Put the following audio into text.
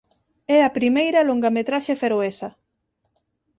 É a primeira longametraxe feroesa.